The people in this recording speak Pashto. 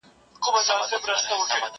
جواب ورکول د زده کوونکي له خوا کېږي!؟